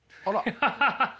ハハハハハ。